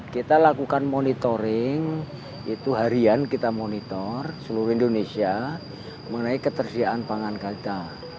kita lakukan monitoring itu harian kita monitor seluruh indonesia mengenai ketersediaan pangan kita